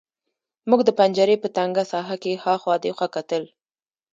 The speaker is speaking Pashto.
موږ د پنجرې په تنګه ساحه کې هاخوا دېخوا کتل